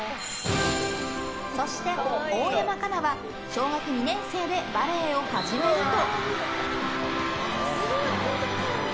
そして、大山加奈は小学２年生でバレーを始めると。